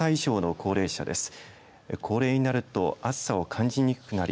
高齢になると暑さを感じにくくなり